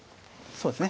そうですね